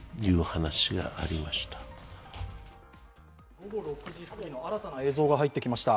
午後６時すぎの新たな映像が入ってきました。